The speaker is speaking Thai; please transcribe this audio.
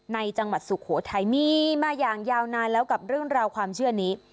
จังหวัดสุโขทัยมีมาอย่างยาวนานแล้วกับเรื่องราวความเชื่อนี้